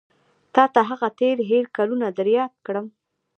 تا ته هغه تېر هېر کلونه در یاد کړم.